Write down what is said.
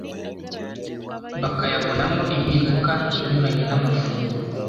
bakayabonamo impinduka inyuranye namafunguro